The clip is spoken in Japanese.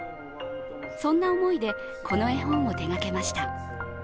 そんな思いでこの絵本を手がけました。